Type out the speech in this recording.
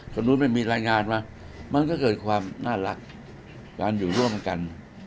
คนนู้นไม่มีรายงานมามันก็เกิดความน่ารักการอยู่ร่วมกัน